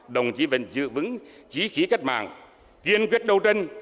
đồng chí vẫn giữ vững trí khí cách mạng kiên quyết đấu tranh